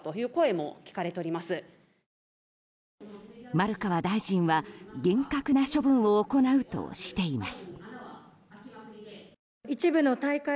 丸川大臣は厳格な処分を行うとしています。